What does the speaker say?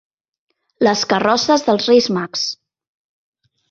Les carrosses dels Reis Mags.